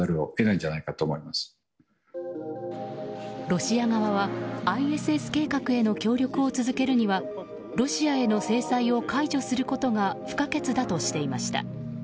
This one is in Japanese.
ロシア側は、ＩＳＳ計画への協力を続けるにはロシアへの制裁を解除することが不可欠だとしていました。